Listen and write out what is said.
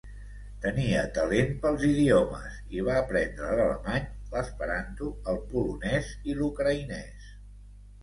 Tenia talent pels idiomes, i va aprendre l'alemany, l'esperanto, el polonès i l'ucraïnès.